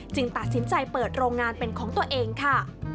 ตัดสินใจเปิดโรงงานเป็นของตัวเองค่ะ